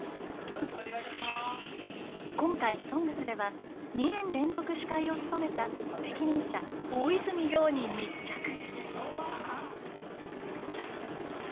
今回「ＳＯＮＧＳ」では２年連続司会を務めた責任者大泉洋に密着。